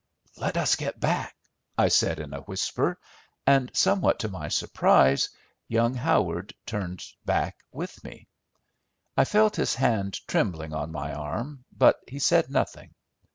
"Let us get back," I said in a whisper; and, somewhat to my surprise, young Howard turned back with me. I felt his hand trembling on my arm, but he said nothing.